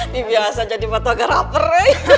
bibi asal jadi fotografer